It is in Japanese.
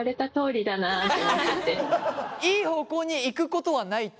いい方向にいくことはないって